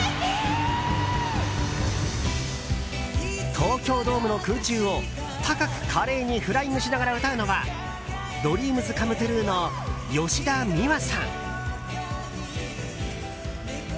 東京ドームの空中を高く華麗にフライングしながら歌うのはＤＲＥＡＭＳＣＯＭＥＴＲＵＥの吉田美和さん。